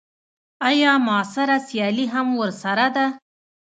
ایا معاصره سیالي هم ورسره ده.